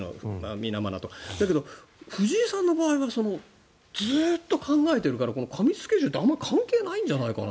だけど、藤井さんの場合はずっと考えているから過密スケジュールは関係ないんじゃないかな。